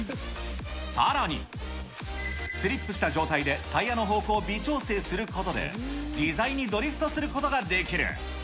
さらに、スリップした状態でタイヤの方向を微調整することで、自在にドリフトすることができる。